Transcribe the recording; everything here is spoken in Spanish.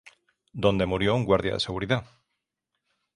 Donde murió un guardia de seguridad.